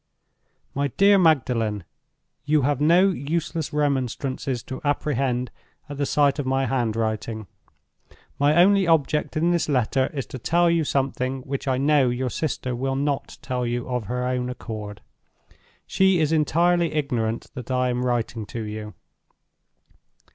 "MY DEAR MAGDALEN, "You have no useless remonstrances to apprehend at the sight of my handwriting. My only object in this letter is to tell you something which I know your sister will not tell you of her own accord. She is entirely ignorant that I am writing to you.